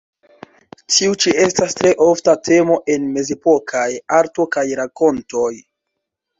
Tiu ĉi estas tre ofta temo en mezepokaj arto kaj rakontoj.